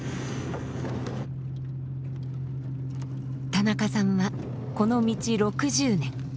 田中さんはこの道６０年。